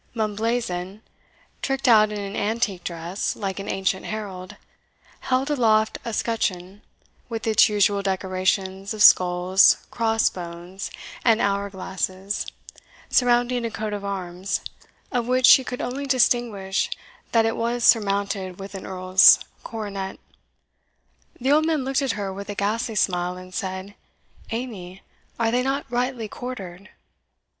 Mumblazen, tricked out in an antique dress, like an ancient herald, held aloft a scutcheon, with its usual decorations of skulls, cross bones, and hour glasses, surrounding a coat of arms, of which she could only distinguish that it was surmounted with an Earl's coronet. The old man looked at her with a ghastly smile, and said, "Amy, are they not rightly quartered?"